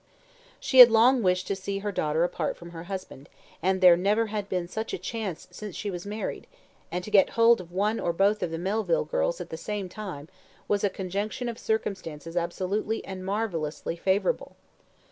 She had long wished to see her daughter apart from her husband, and there never had been such a chance since she was married; and to get hold of one or both of the Melville girls at the same time was a conjunction of circumstances absolutely and marvellously favourable.